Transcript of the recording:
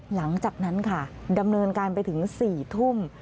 หลังจากนั้นค่ะดำเนินการไปถึง๔ทุ่ม